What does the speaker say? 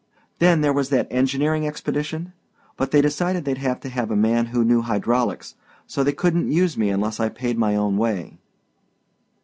"Then there was that engineering expedition, but they decided they'd have to have a man who knew hydraulics, so they couldn't use me unless I paid my own way."